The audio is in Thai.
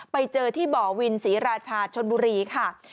ไปเจอที่บ่อวินศรีราชาชนบุรีค่ะ